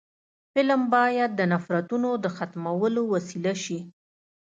فلم باید د نفرتونو د ختمولو وسیله شي